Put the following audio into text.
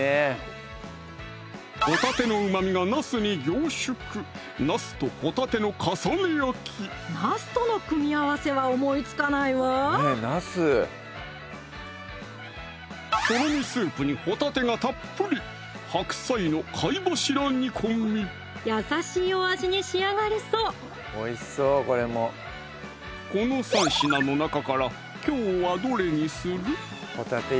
ホタテのうまみがなすに凝縮なすとの組み合わせは思いつかないわとろみスープにホタテがたっぷり優しいお味に仕上がりそうこの３品の中からきょうはどれにする？